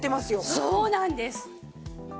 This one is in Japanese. そうなんです。